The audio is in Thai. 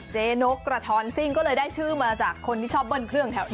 เจ๊นกกระทอนซิ่งก็เลยได้ชื่อมาจากคนที่ชอบเบิ้ลเครื่องแถวนี้